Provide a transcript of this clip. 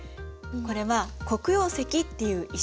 これは黒曜石っていう石。